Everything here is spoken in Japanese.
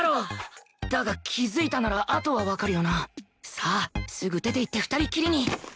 さあすぐ出ていって２人きりに